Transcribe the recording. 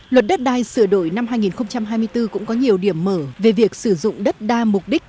luật đất đai sửa đổi năm hai nghìn hai mươi bốn cũng có nhiều điểm mở về việc sử dụng đất đa mục đích